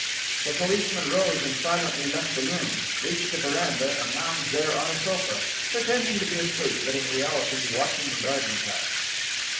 The policeman rose and silently left the room, reached the veranda and lounged there on a sofa, pretending to be asleep, but in reality watching the garden paths.